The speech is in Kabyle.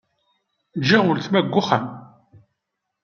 Ǧgiɣ uletma deg uxxam.